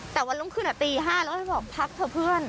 แต่วันโรงคืนตี๕แล้วเขาบอกพักเถอะเพื่อน